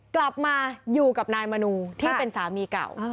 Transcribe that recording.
กลับมาอยู่กับนายมนูที่เป็นสามีเก่า